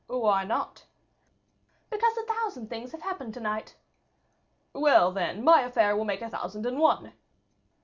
"Why not?" "Because a thousand things have happened to night." "Well, then, my affair will make a thousand and one."